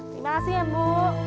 terima kasih ya bu